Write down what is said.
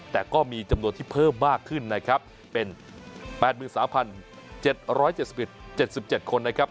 แต่ก็มีจำนวนที่เพิ่มมากขึ้นนะครับเป็น๘๓๗๗คนนะครับ